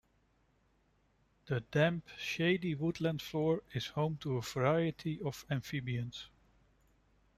The damp, shady woodland floor is home to a variety of amphibians.